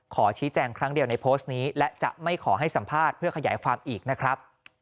ขอชี้แจงครั้งเดียวในโพสต์นี้และจะไม่ขอให้สัมภาษณ์เพื่อขยายความอีกนะครับ